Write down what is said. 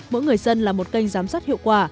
mỗi người dân là một kênh giám sát hiệu quả